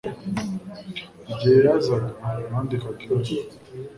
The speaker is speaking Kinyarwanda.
Igihe yazaga, nandikaga ibaruwa.